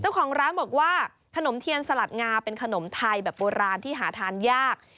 เจ้าของร้านบอกว่าขนมเทียนสลัดงาเป็นขนมไทยแบบโบราณที่หาทานยาก